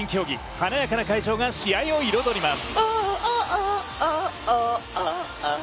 華やかな会場が、試合を彩ります。